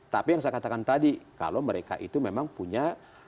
tapi yang saya katakan tadi kalau mereka itu memang punya